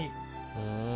ふん。